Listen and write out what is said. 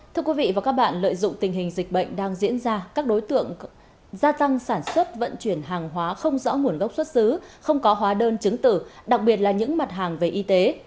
thưa quý vị và các bạn lợi dụng tình hình dịch bệnh đang diễn ra các đối tượng gia tăng sản xuất vận chuyển hàng hóa không rõ nguồn gốc xuất xứ không có hóa đơn chứng tử đặc biệt là những mặt hàng về y tế